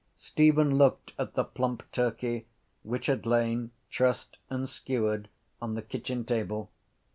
Stephen looked at the plump turkey which had lain, trussed and skewered, on the kitchen table.